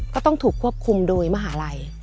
ก็ต้องถูกควบคุมโดยมหาลัย